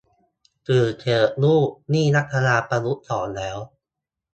ตื่นเถอะลูกนี่รัฐบาลประยุทธ์สองแล้ว